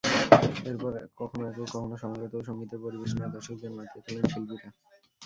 এরপর কখনো একক, কখনো সমবেত সংগীতের পরিবেশনায় দর্শকদের মাতিয়ে তোলেন শিল্পীরা।